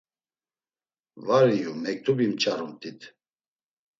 Var iyu mektubi p̌ç̌arumt̆it.